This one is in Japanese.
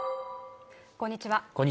こんにちは